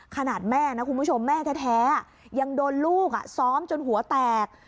ขนาดแม่นะคุณผู้ชมแม่แท้ยังโดนลูกซ้อมจนหัวแตก